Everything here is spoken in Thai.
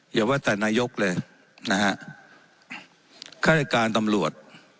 อย่าว่าแต่นายกเลยนะฮะฆาตการตำรวจ